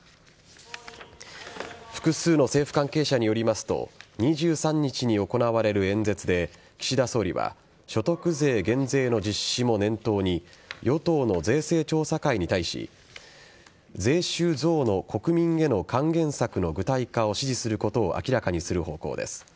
複数の政府関係者によりますと２３日に行われる演説で岸田総理は所得税減税の実施も念頭に与党の税制調査会に対し税収増の国民への還元策の具体化を指示することを明らかにする方向です。